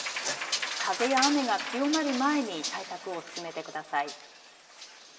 風や雨が強まる前に対策を進めてください。